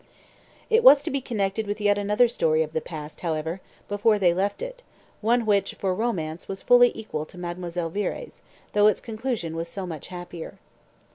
It was to be connected with yet another story of the past, however, before they left it, one which, for romance, was fully equal to Mademoiselle Viré's, though its conclusion was so much happier.